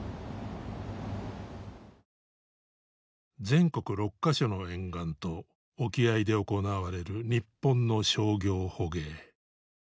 全国６か所の沿岸と沖合で行われる日本の商業捕鯨。